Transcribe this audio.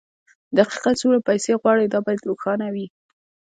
دقيقاً څومره پيسې غواړئ دا بايد روښانه وي.